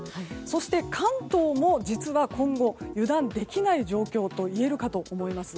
そして関東も実は今後油断できない状況といえるかと思います。